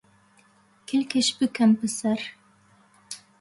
کلکش بکن پسر